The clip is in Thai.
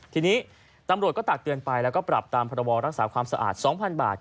ทีนี้ตำรวจก็ตักเตือนไปแล้วก็ปรับตามพรบรักษาความสะอาด๒๐๐๐บาท